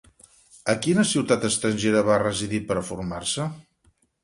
A quina ciutat estrangera va residir per a formar-se?